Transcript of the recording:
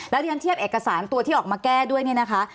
ที่ฉันเทียบเอกสารตัวที่ออกมาแก้ด้วยเนี่ยนะคะ